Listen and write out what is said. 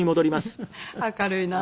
明るいなあ。